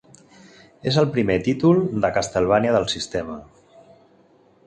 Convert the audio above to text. És el primer títol de "Castlevania" del sistema.